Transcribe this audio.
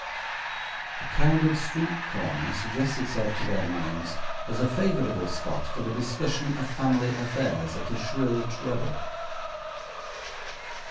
A crowded street corner suggests itself to their minds as a favorable spot for the discussion of family affairs at a shrill treble.